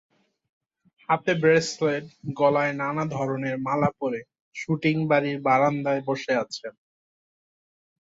হাতে ব্রেসলেট, গলায় নানা ধরনের মালা পরে শুটিং বাড়ির বারান্দায় বসে আছেন।